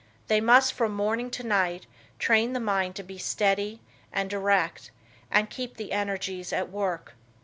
They must from morning to night train the mind to be steady, and direct and keep the energies at work.